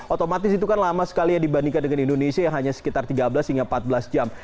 otomatis itu kan lama sekali ya dibandingkan dengan indonesia yang hanya sekitar tiga belas hingga empat belas jam